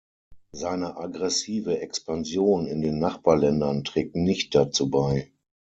Seine aggressive Expansion in den Nachbarländern trägt nicht dazu bei.